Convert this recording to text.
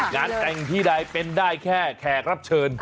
งานแต่งที่ใดเป็นได้แค่แขกรับเชิญ